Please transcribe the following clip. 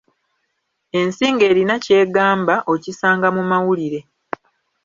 Ensi ng'erina ky'egamba, okisanga mu mawulire.